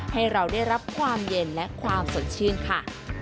ให้เราได้รับความเย็นและความสดชื่นค่ะ